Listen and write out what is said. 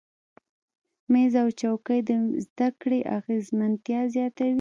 میز او چوکۍ د زده کړې اغیزمنتیا زیاتوي.